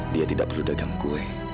dia tidak perlu dagang kue